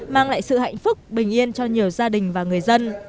mang lại sự hạnh phúc bình yên cho nhiều gia đình và người dân